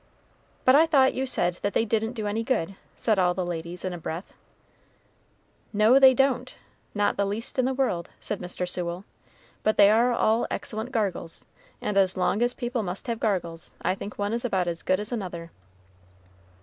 "But I thought you said that they didn't do any good?" said all the ladies in a breath. "No, they don't not the least in the world," said Mr. Sewell; "but they are all excellent gargles, and as long as people must have gargles, I think one is about as good as another."